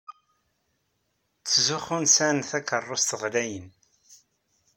Ttxuzzun sɛan takeṛṛust ɣlayen.